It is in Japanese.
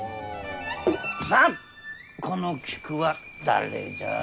さあこの菊は誰じゃ？